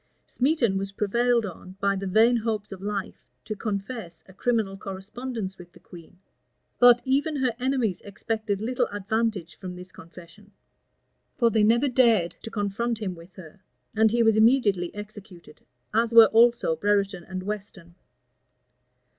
Smeton was prevailed on, by the vain hopes of life, to confess a criminal correspondence with the queen;[] but even her enemies expected little advantage from this confession; for they never dared to confront him with her; and he was immediately executed; as were also Brereton and Weston.